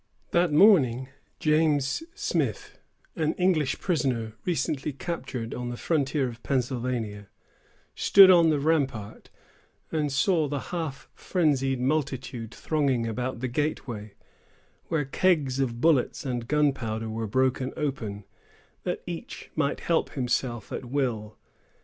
That morning, James Smith, an English prisoner recently captured on the frontier of Pennsylvania, stood on the rampart, and saw the half frenzied multitude thronging about the gateway, where kegs of bullets and gunpowder were broken open, that each might help himself at will.